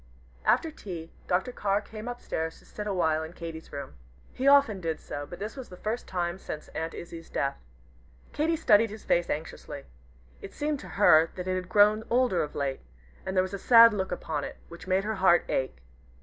After tea, Dr. Carr came up stairs to sit a while in Katy's room. He often did so, but this was the first time since Aunt Izzie's death. Katy studied his face anxiously. It seemed to her that it had grown older of late, and there was a sad look upon it, which made her heart ache.